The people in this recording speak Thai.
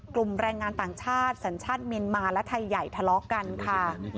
แรงงานต่างชาติสัญชาติเมียนมาและไทยใหญ่ทะเลาะกันค่ะ